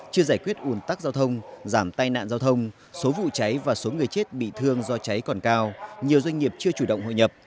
chưa giải quyết ủn tắc giao thông giảm tai nạn giao thông số vụ cháy và số người chết bị thương do cháy còn cao nhiều doanh nghiệp chưa chủ động hội nhập